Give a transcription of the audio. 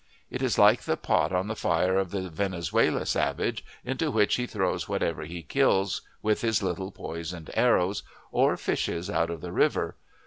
It is like the pot on the fire of the Venezuela savage into which he throws whatever he kills with his little poisoned arrows or fishes out of the river.